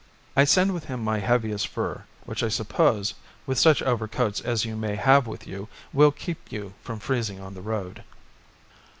I send with him my heaviest fur, which I suppose with such overcoats as you may have with you will keep you from freezing on the road."